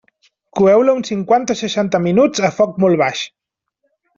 Coeu-la uns cinquanta o seixanta minuts a foc molt baix.